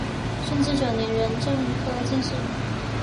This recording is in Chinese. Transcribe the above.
顺治九年壬辰科进士。